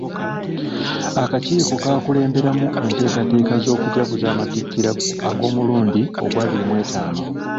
Akakiiko kakulemberemu enteekateeka z’okujaguza amatikkira ag’omulundi ogw'abiri mu etaano.